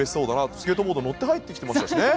スケートボード乗って入ってきてましたしね。